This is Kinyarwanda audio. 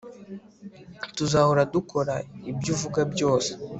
Tuzahora dukora ibyo uvuga byose